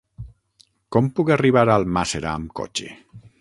Com puc arribar a Almàssera amb cotxe?